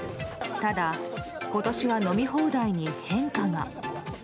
ただ、今年は飲み放題に変化が。